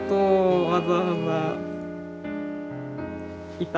いた。